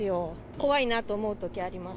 怖いなと思うとき、あります。